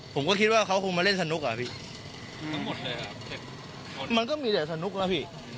ผมก็คิดว่าเขาคงมาเล่นสนุกอ่ะพี่หมดเลยอ่ะมันก็มีแต่สนุกแล้วพี่